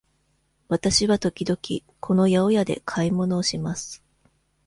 わたしは時々この八百屋で買い物をします。